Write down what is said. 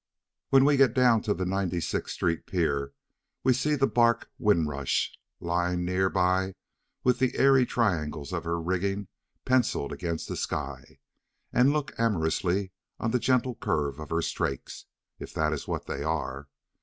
When we get down to the Ninety Sixth Street pier we see the barque Windrush lying near by with the airy triangles of her rigging pencilled against the sky, and look amorously on the gentle curve of her strakes (if that is what they are).